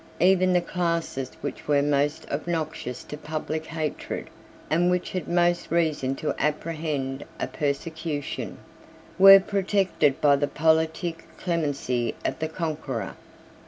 Even the classes which were most obnoxious to public hatred, and which had most reason to apprehend a persecution, were protected by the politic clemency of the conqueror.